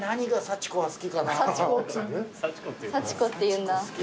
サチコっていうんだ。